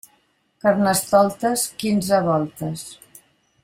Carnestoltes, quinze voltes.